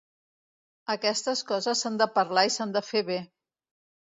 Aquestes coses s’han de parlar i s’han de fer bé.